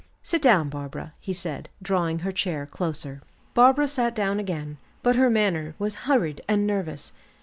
"Sit down, Barbara," he said drawing her chair closer. Barbara sat down again, but her manner was hurried and nervous.